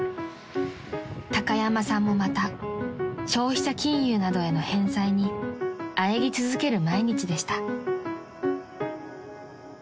［高山さんもまた消費者金融などへの返済にあえぎ続ける毎日でした］